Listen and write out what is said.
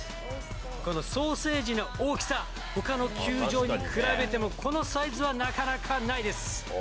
このソーセージの大きさ、ほかの球場に比べてもこのサイズはなかなかないです。